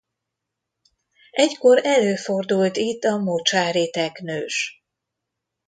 Egykor előfordult itt a mocsári teknős.